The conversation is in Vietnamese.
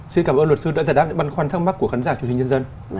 xin cảm ơn luật sư đã giải đáp những băn khoăn thắc mắc của khán giả truyền hình nhân dân